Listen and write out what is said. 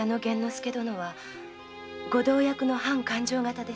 介殿はご同役の藩勘定方でした。